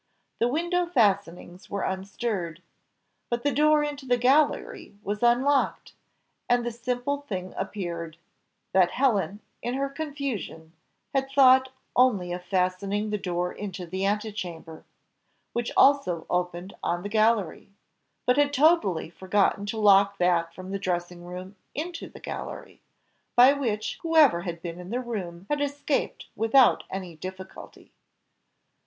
The window fastenings were unstirred. But the door into the gallery was unlocked, and the simple thing appeared that Helen, in her confusion, had thought only of fastening the door into the ante chamber, which also opened on the gallery, but had totally forgotten to lock that from the dressing room into the gallery, by which whoever had been in the room had escaped without any difficulty.